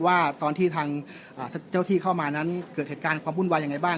ว่าตอนที่ทางเจ้าที่เข้ามานั้นเกิดเหตุการณ์ความวุ่นวายยังไงบ้าง